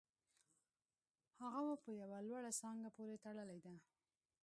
هغه مو په یوه لوړه څانګه پورې تړلې ده